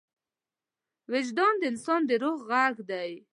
وجدان د انسان د روح غږ دی.